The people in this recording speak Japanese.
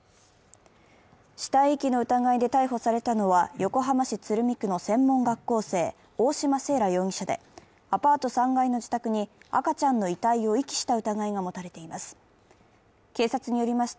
死体遺棄の疑いで逮捕されたのは横浜市鶴見区の専門学校生、大嶋清良容疑者でアパート３階の自宅に、赤ちゃんの遺体を遺棄した疑いが持たれています。